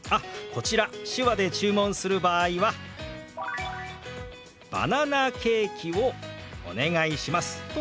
こちら手話で注文する場合は「バナナケーキをお願いします」と表しますよ。